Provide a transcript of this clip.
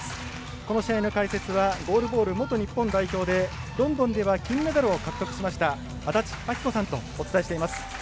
この試合の解説はゴールボール元日本代表でロンドンでは金メダルを獲得しました安達阿記子さんとお伝えしています。